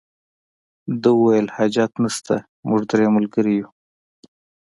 ده وویل حاجت نشته موږ درې ملګري یو.